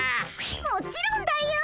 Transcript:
もちろんだよ！